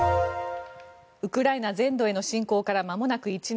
ウクライナ全土への侵攻からまもなく１年。